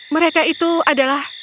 mereka itu adalah